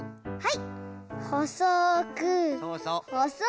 はい！